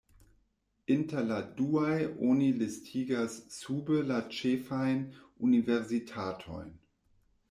Inter la duaj oni listigas sube la ĉefajn universitatojn.